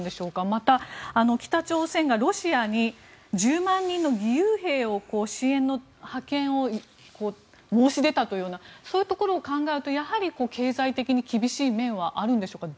また、北朝鮮がロシアに１０万人の義勇兵の支援の派遣を申し出たというそういうことを考えると経済的に厳しい面はあるんでしょうか。